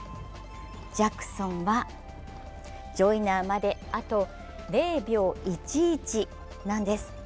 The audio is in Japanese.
ジャクソンはジョイナーまであと０秒１１なんです。